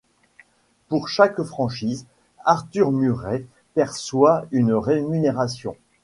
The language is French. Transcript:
Pour chaque franchise, Arthur Murray perçoit une rémunération.